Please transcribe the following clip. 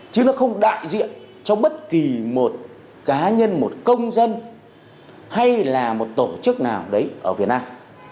chứ nó không đại diện cho bất kỳ một cá nhân một công dân hay là một tổ chức nào đấy ở việt nam